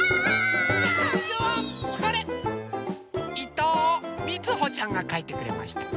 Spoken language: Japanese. いとうみつほちゃんがかいてくれました。